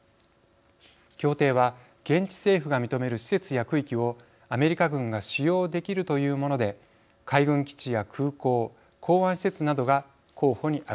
協定は現地政府が認める施設や区域をアメリカ軍が使用できるというもので海軍基地や空港港湾施設などが候補に挙がっています。